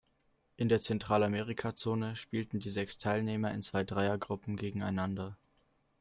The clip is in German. In der Zentralamerika-Zone spielten die sechs Teilnehmer in zwei Dreiergruppen gegeneinander.